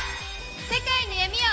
世界の闇を！